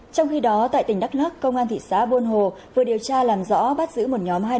trong khi đó tại tỉnh đắk lắc công an thị xã buôn hồ vừa điều tra làm rõ bắt giữ một nhóm hai đối tượng nghiện